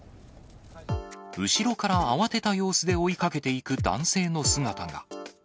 後ろから慌てた様子で追いかけていく男性の姿が。